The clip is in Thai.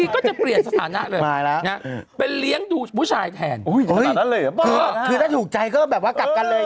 ก็จะเปลี่ยนสถานะเลยนะเป็นเลี้ยงดูบุญชายแทนถูกใจก็แบบว่ากลับกันเลย